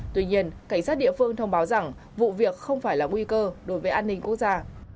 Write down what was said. tuy nhiên cảnh sát địa phương thông báo rằng vụ việc không phải là nguy cơ đối với an ninh quốc gia